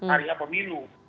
hari hati pemilu